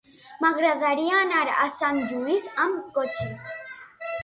M'agradaria anar a Sant Lluís amb cotxe.